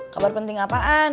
kabar penting apaan